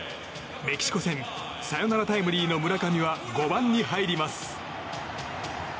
メキシコ戦サヨナラタイムリーの村上は５番に入ります。